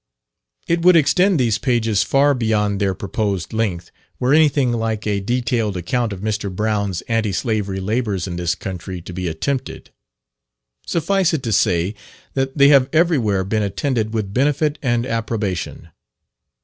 It would extend these pages far beyond their proposed length were anything like a detailed account of Mr. Brown's anti slavery labours in this country to be attempted. Suffice it to say that they have everywhere been attended with benefit and approbation.